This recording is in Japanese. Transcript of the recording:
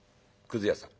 「くず屋さん